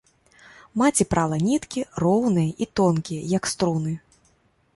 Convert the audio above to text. Маці прала ніткі, роўныя і тонкія, як струны.